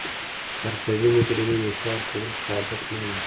حرفوي مجرمین اقرار کولو ته عادت نلري